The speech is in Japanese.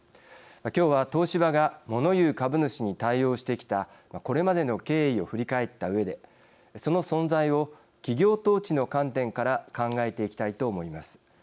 今日は、東芝がもの言う株主に対応してきたこれまでの経緯を振り返ったうえでその存在を企業統治の観点から考えていきたいと思います。